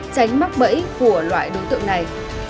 tránh mắc bẫy của loại đối tượng này